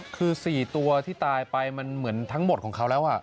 คือ๔ตัวที่ตายไปมันเหมือนทั้งหมดของเขาแล้ว